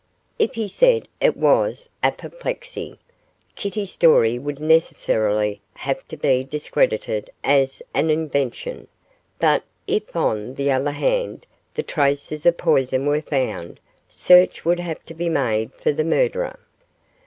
If he said it was apoplexy, Kitty's story would necessarily have to be discredited as an invention; but if, on the other hand, the traces of poison were found, search would have to be made for the murderer.